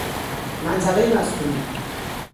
منطقه مسکونی